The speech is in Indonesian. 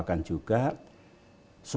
yang ketiga adalah